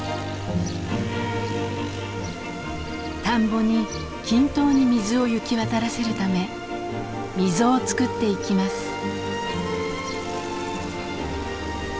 田んぼに均等に水を行き渡らせるため溝を作っていきます。